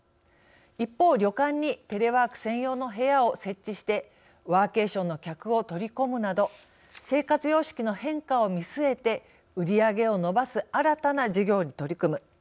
一方旅館にテレワーク専用の部屋を設置してワーケーションの客を取り込むなど生活様式の変化を見据えて売り上げを伸ばす新たな事業に取り組む。